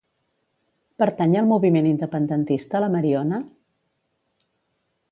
Pertany al moviment independentista la Mariona?